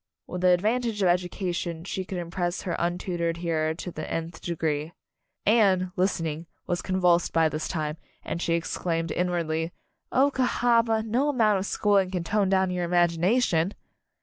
With the advantage of education she could impress her untutored hearer to the nth degree. Anne, listening, was convulsed by this time, and she exclaimed inwardly, "Oh, Cahaba, no amount of schooling can tone down your imagination!"